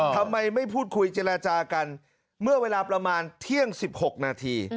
ทำไมไม่พูดคุยเจรจากันเมื่อเวลาประมาณเที่ยง๑๖นาที